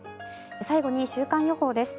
最後に週間予報です。